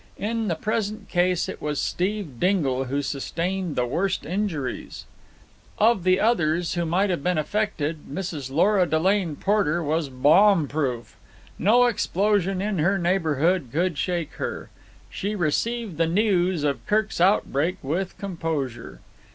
In the present case it was Steve Dingle who sustained the worst injuries. Of the others who might have been affected, Mrs. Lora Delane Porter was bomb proof. No explosion in her neighbourhood could shake her. She received the news of Kirk's outbreak with composure.